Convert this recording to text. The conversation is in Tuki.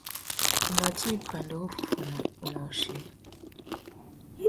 Tu mà djï pandúruffúffuna môchï.